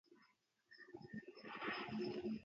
هبك الفرات الذي بالروم مطلعه